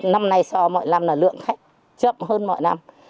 năm nay so mọi năm là lượng khách chậm hơn mọi năm